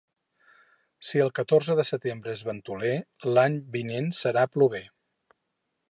Si el catorze de setembre és ventoler, l'any vinent serà plover.